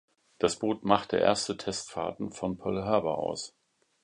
Das Boot machte erste Testfahrten von Pearl Harbor aus.